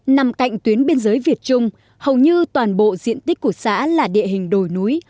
nằm cạnh tuyến biên giới việt trung hầu như toàn bộ diện tích của xã là địa hình đồi núi